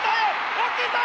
大きいぞ！